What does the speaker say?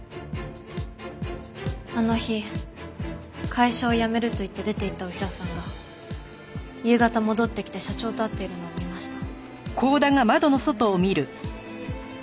あの日会社を辞めると言って出ていった太平さんが夕方戻ってきて社長と会っているのを見ました。